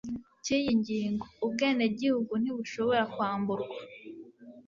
cy'iyi ngingo, ubwenegihugu ntibushobora kwamburwa